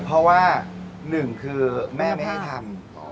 เพราะว่าหนึ่งคือแม่ไม่ให้ทำ